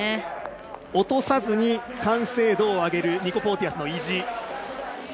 落とさずに完成度を上げるニコ・ポーティアスの意地。